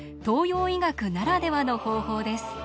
東洋医学ならではの方法です。